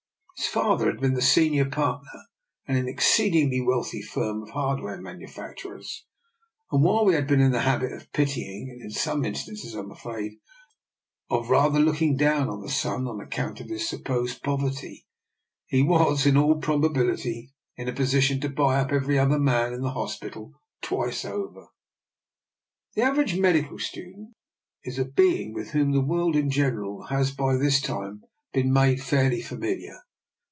His father had been the senior partner in an exceedingly wealthy firm of hardware manufacturers, and while we had been in the habit of pitying and, in some in stances I am afraid, of rather looking down on the son on account of his supposed pov erty, he was, in all probability, in a position to buy up every other man in the hospital twice over. The average medical student is a being with whom the world in general has by this time been made fairly familiar.